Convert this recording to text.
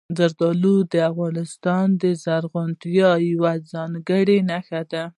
زردالو د افغانستان د زرغونتیا یوه څرګنده نښه ده.